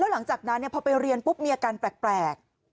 หลังจากนั้นพอไปเรียนปุ๊บมีอาการแปลก